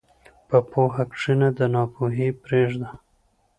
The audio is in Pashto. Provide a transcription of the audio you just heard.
په پوهه کښېنه، ناپوهي پرېږده.